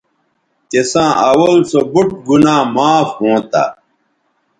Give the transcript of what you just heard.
تِساں اول سو بُوٹ گنا معاف ھونتہ